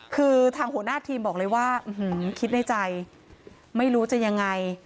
คือทางหัวหน้าทีมบอกเลยว่าคิดในใจไม่รู้จะยังไง